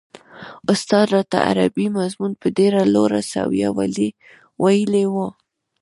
استاد راته عربي مضمون په ډېره لوړه سويه ويلی و.